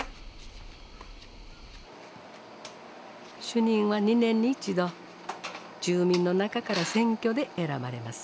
主任は２年に一度住民の中から選挙で選ばれます。